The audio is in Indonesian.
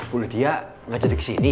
bu lydia nggak jadi kesini